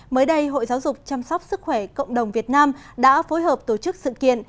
mới đây hội giáo dục chăm sóc sức khỏe cộng đồng việt nam đã phối hợp tổ chức sự kiện